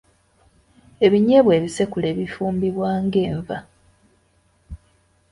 Ebinyeebwa ebisekule bifumbibwa ng'enva.